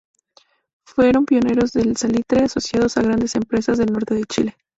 Fueron pioneros del salitre, asociados a grandes empresas del norte de Chile.